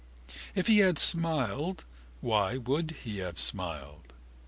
If he had smiled why would he have smiled?